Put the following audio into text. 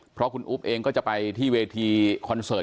เพราะคุณอุ๊บเองก็จะไปที่เวทีคอนเสิร์ต